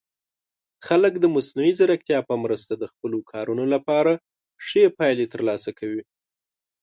خلک د مصنوعي ځیرکتیا په مرسته د خپلو کارونو لپاره ښه پایلې ترلاسه کوي.